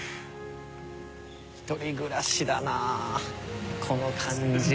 １人暮らしだなこの感じ。